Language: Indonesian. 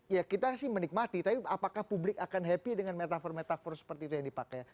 ya kita sih menikmati tapi apakah publik akan happy dengan metafor metafor seperti itu yang dipakai